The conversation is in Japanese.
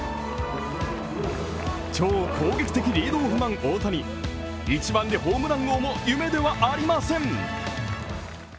超攻撃的リードオフマン大谷、１番でホームラン王も夢ではありません。